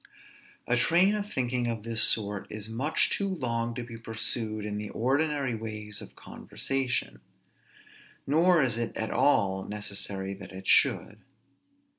A train of thinking of this sort is much too long to be pursued in the ordinary ways of conversation; nor is it at all necessary that it should.